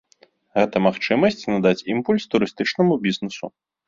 Гэта магчымасць надаць імпульс турыстычнаму бізнэсу.